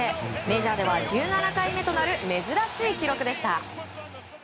メジャーでは１７回目となる珍しい記録でした。